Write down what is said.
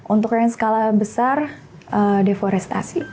untuk yang skala besar deforestasi